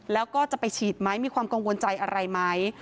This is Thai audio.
แล้วก็จะไปฉีดไหมมีความกังวลใจอะไรไหม